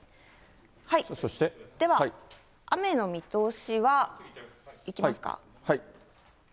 では、雨の見通しは。いきますか？